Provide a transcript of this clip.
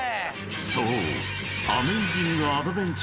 ［そう］